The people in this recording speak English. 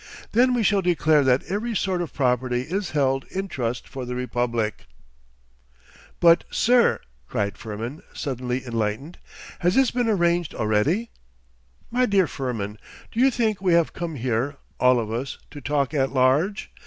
Then we shall declare that every sort of property is held in trust for the Republic....' 'But, sir!' cried Firmin, suddenly enlightened. 'Has this been arranged already?' 'My dear Firmin, do you think we have come here, all of us, to talk at large?